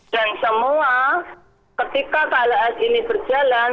dan semua ketika klhs ini berjalan